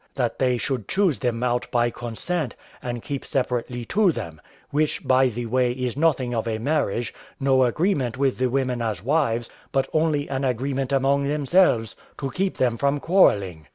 that they should choose them out by consent, and keep separately to them; which, by the way, is nothing of a marriage, no agreement with the women as wives, but only an agreement among themselves, to keep them from quarrelling.